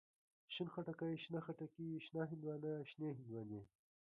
شين خټکی، شنه خټکي، شنه هندواڼه، شنې هندواڼی.